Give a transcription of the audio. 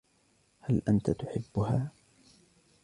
هل أنت تحبها ؟